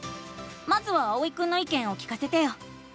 まずはあおいくんのいけんを聞かせてよ！